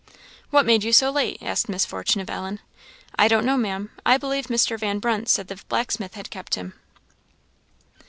"What made you so late?" asked Miss Fortune of Ellen. "I don't know, Maam I believe Mr. Van Brunt said the blacksmith had kept him."